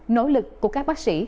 nỗ lực của các bác sĩ